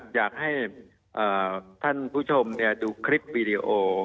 อยากให้ท่านผู้ชมดูคลิปวีดีโอ